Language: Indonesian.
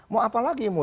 mau apa lagi